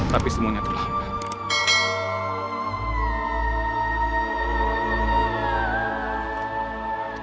tapi semuanya terlambat